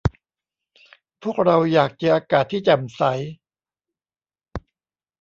พวกเราอยากเจออากาศที่แจ่มใส